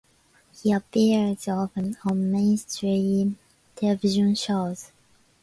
He appears often on mainstream television shows.